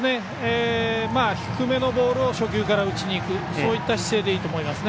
低めのボールを初球から打ちにいくそういった姿勢でいいと思いますね。